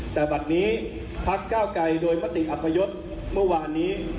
แต่บัตรนี้พักเก้าไกรโดยมติอัพยศเมื่อวานนี้